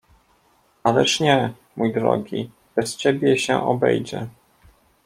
"Ależ nie, mój drogi, bez ciebie się obejdzie."